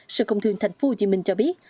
sự công thương thành phố hồ chí minh cho biết